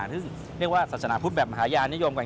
ซึ่งเรียกว่าศาสนาพุทธแบบมหาญานิยมกัน